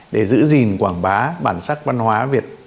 để giữ gìn quảng bá bản sắc văn hóa việt